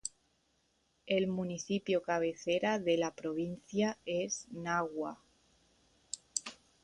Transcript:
El municipio cabecera de la provincia es Nagua.